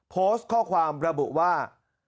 โพสต์ข้อความระบุว่า